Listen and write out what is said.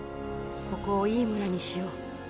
ここをいい村にしよう。